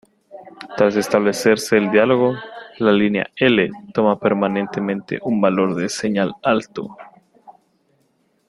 Tras establecerse el diálogo, la línea L toma permanentemente un valor de señal alto.